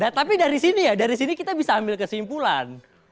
nah tapi dari sini ya dari sini kita bisa ambil kesimpulan